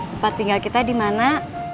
tempat tinggal kita di mana